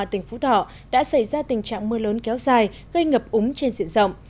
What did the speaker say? tỉnh phú thọ đã xảy ra tình trạng mưa lớn kéo dài gây ngập úng trên diện rộng